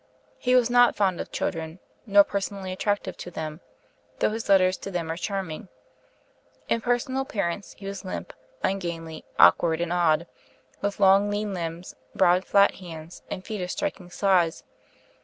He was not fond of children, nor personally attractive to them, though his letters to them are charming. In personal appearance he was limp, ungainly, awkward, and odd, with long lean limbs, broad flat hands, and feet of striking size.